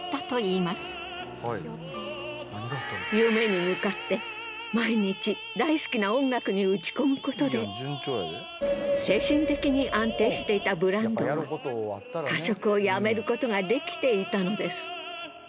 夢に向かって毎日大好きな音楽に打ち込むことで精神的に安定していたブランドンは過食をやめることができていたのです。